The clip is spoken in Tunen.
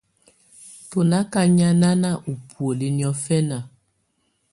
Tú nà ká nyànáná ú búwǝ́ niɔ́fɛna.